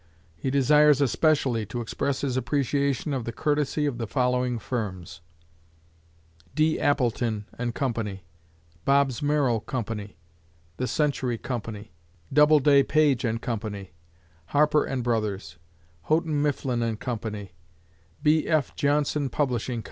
He desires especially to express his appreciation of the courtesy of the following firms: D. Appleton & Co.; Bobbs Merrill Co.; The Century Co.; Doubleday, Page & Co.; Harper & Brothers; Houghton, Mifflin & Co.; B. F. Johnson Publishing Co.